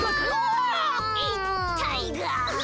いったいが。